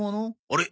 あれ？